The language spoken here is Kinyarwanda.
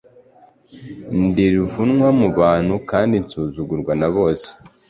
ndi ruvumwa mu bantu kandi nsuzugurwa na bose